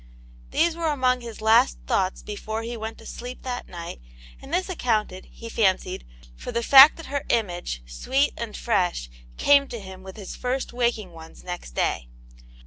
These were among his last thoughts before he went to sleep that night, and this accounted, he fancied, for the fact that her image, sweet and fresh, came to him with his first waking ones next day.